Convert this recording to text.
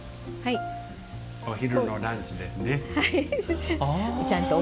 お昼のランチですね。